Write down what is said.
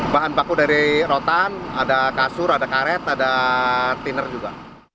bahan baku dari rotan ada kasur ada karet ada tiner juga